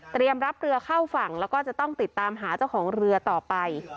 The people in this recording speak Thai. รับเรือเข้าฝั่งแล้วก็จะต้องติดตามหาเจ้าของเรือต่อไป